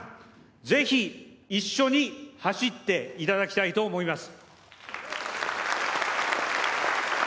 ぜひ一緒に走っていただきたいと思います。